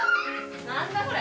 何だそれ！